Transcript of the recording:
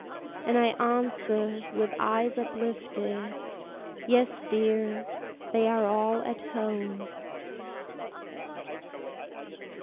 And I answer, with eyes uplifted, "Yes, dear! they are all at home."